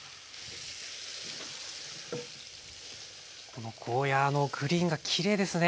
このゴーヤーのグリーンがきれいですね。